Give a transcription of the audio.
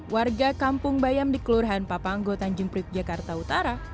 warga kampung bayam di kelurahan papanggo tanjung priuk jakarta utara